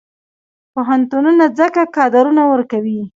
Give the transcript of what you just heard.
پوهنتونونه څنګه کادرونه ورکوي؟